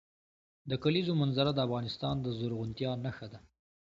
د کلیزو منظره د افغانستان د زرغونتیا نښه ده.